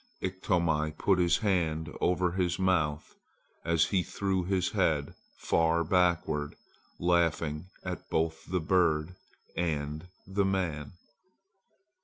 Iktomi put his hand over his mouth as he threw his head far backward, laughing at both the bird and man.